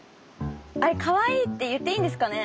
あれかわいいって言っていいんですかね？